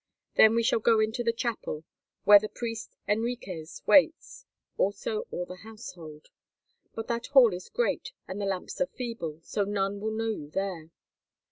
Then we shall go into the chapel, where the priest Henriques waits, also all the household. But that hall is great, and the lamps are feeble, so none will know you there.